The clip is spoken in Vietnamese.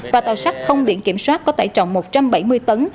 và tàu sắt không biển kiểm soát có tải trọng một trăm bảy mươi tấn